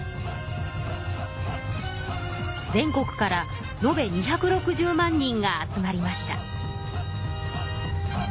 全国からのべ２６０万人が集まりました。